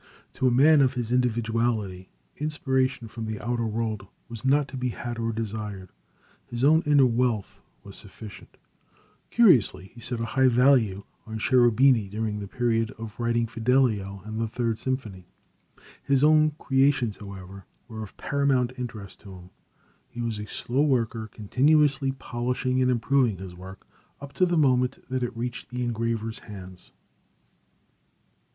To a man of his individuality, inspiration from the outer world was not to be had or desired. His own inner wealth was sufficient. Curiously, he set a high value on Cherubini during the period of writing Fidelio and the Third Symphony. His own creations however, were of paramount interest to him. He was a slow worker, continually polishing and improving his work up to the moment that it reached the engraver's hands.